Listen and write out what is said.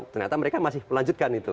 ternyata mereka masih melanjutkan itu